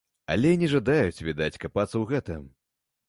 Але не жадаюць, відаць, капацца ў гэтым.